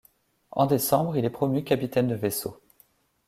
En décembre, il est promu capitaine de vaisseau.